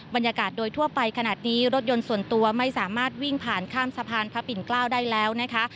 บรรยากาศโดยทั่วไปขนาดนี้รถยนต์ส่วนตัวไม่สามารถวิ่งผ่านข้ามสะพานพระปิ่นเกล้าได้แล้วนะคะ